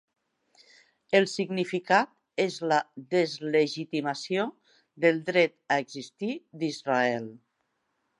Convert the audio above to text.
El significat és la deslegitimació del dret a existir d'Israel.